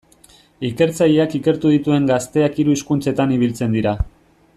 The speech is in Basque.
Ikertzaileak ikertu dituen gazteak hiru hizkuntzetan ibiltzen dira.